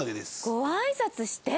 ご挨拶して！